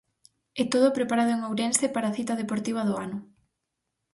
E todo preparado en Ourense para a cita deportiva do ano.